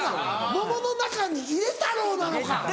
『桃の中に入れ太郎』なのか。